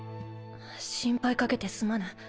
心配かけてすまぬ。